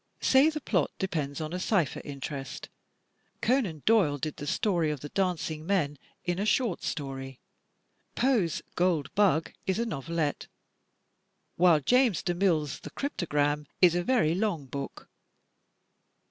Say the plot depends upon a cypher interest. Conan Doyle did the story of the "Dancing Men" in a short story; Poe's "Gold Bug" is a novelette; while James DeMille's "The Cryptogram" is a very long book.